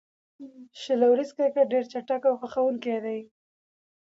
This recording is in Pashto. شل اوریز کرکټ ډېر چټک او خوښوونکی دئ.